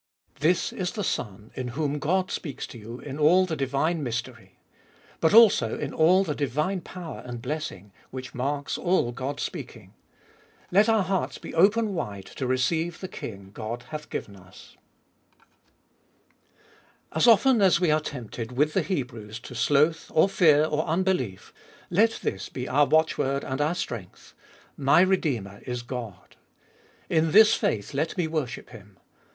This is the Son in whom God speaks to you in all the divine mystery, but also in all the divine power and blessing, which marks all God's speaking. Let our hearts open wide to receive the King God hath given us. 58 abe Iboltcst of Bll And as often as we are tempted with the Hebrews to sloth or fear or unbelief, let this be our watchword and our strength : My Redeemer is God ! In this faith let me worship Him.